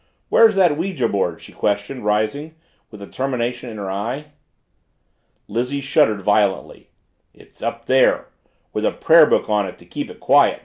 "Where's that ouija board?" she questioned, rising, with determination in her eye. Lizzie shuddered violently. "It's up there with a prayer book on it to keep it quiet!"